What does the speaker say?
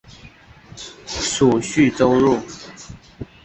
属叙州路。